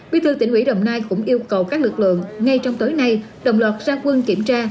bí thư tỉnh ubnd cũng yêu cầu các lực lượng ngay trong tối nay đồng loạt ra quân kiểm tra